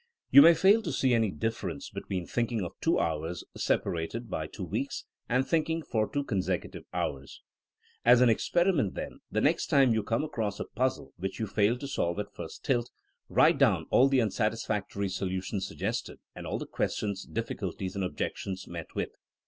You may fail to see any difference between thinking for two hours separated by two weeks, and thinking for two consecutive hours. As an experiment, then, the next time you come across a puzzle which you fail to solve at first tilt, write down all the unsatisfactory solutions suggested, and all the questions, diflBiculties and objections met with.